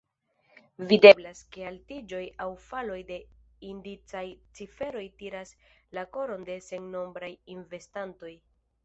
Videblas, ke altiĝoj aŭ faloj de indicaj ciferoj tiras la koron de sennombraj investantoj.